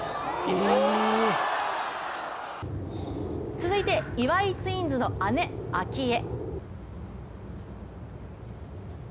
続いて、岩井ツインズの姉・明愛。